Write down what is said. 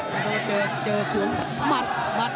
มัดมัดซ้าย